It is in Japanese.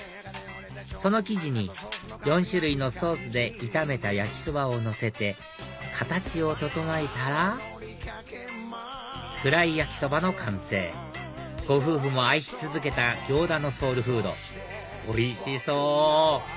その生地に４種類のソースで炒めた焼きそばをのせて形を整えたらふらいやきそばの完成ご夫婦も愛し続けた行田のソウルフードおいしそう！